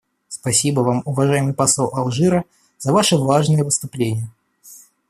Спасибо Вам, уважаемый посол Алжира, за Ваше важное выступление.